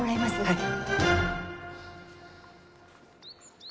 はい。